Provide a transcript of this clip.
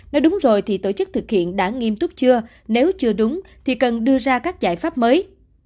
nói đúng rồi thì tổ chức thực hiện đã nghiêm túc chưa nếu chưa đúng thì cần đưa ra các giải pháp mới